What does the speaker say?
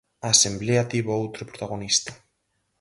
A asemblea tivo outro protagonista.